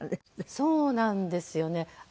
そうなんですよね。